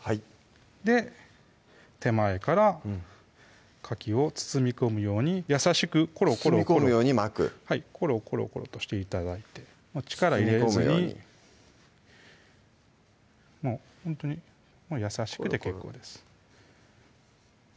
手前からかきを包み込むように優しくコロコロ包み込むように巻くコロコロコロとして頂いて力入れずに包み込むようにもうほんとに優しくで結構です